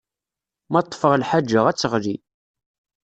Ma ṭṭfeɣ lḥaǧa, ad teɣli.